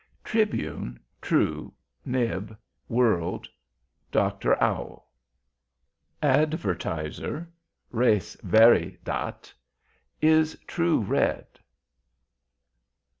TRIBUNE. TRUE NIB. WORLD. DR. OWL. ADVERTISER. { RES VERI DAT. { IS TRUE. READ!